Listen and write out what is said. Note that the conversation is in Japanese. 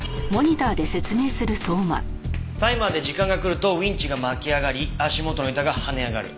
タイマーで時間が来るとウィンチが巻き上がり足元の板が跳ね上がる。